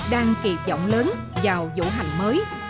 đang kịp giọng lớn vào vụ hành mới